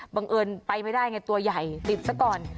บังเอิญไปไม่ได้ไงตัวใหญ่ติดซะก่อน